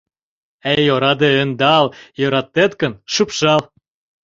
Эй, ораде, ӧндал, йӧратет гын, шупшал...»